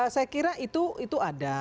saya kira itu ada